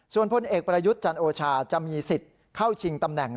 ส่วนพลเอกประยุทธ์จันโอชาจะมีสิทธิ์เข้าชิงตำแหน่ง